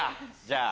じゃあ。